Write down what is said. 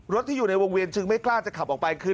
ที่อยู่ในวงเวียนจึงไม่กล้าจะขับออกไปคือ